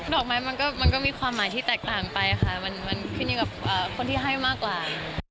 อกไม้มันก็มีความหมายที่แตกต่างไปค่ะมันขึ้นอยู่กับคนที่ให้มากกว่า